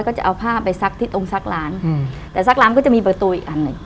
ก็จะเอาผ้าไปซักที่ตรงซักร้านอืมแต่ซักร้านก็จะมีประตูอีกอันหนึ่ง